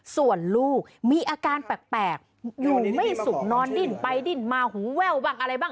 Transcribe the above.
ส่วนลูกมีอาการแปลกอยู่ไม่สุขนอนดิ้นไปดิ้นมาหูแว่วบ้างอะไรบ้าง